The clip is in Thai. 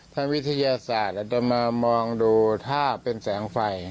ทางวิทยาศาสตร์เราจะมามองดูถ้าเป็นแสงไฟ